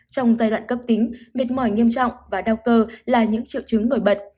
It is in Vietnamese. trong giai đoạn cấp tính mệt mỏi nghiêm trọng và đau cơ là những triệu chứng nổi bật